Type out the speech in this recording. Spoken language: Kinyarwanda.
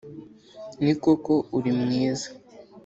Ni koko uri mwiza